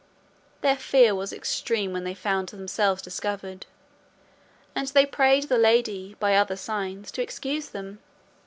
Their fear was extreme when they found themselves discovered, and they prayed the lady, by other signs, to excuse them.